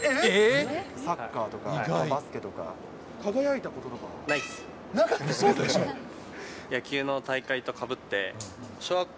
サッカーとか、バスケ輝いたこととか？